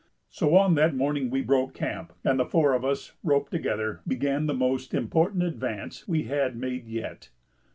So on that morning we broke camp, and the four of us, roped together, began the most important advance we had made yet.